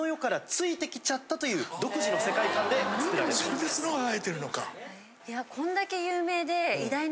それで角が生えてるのか。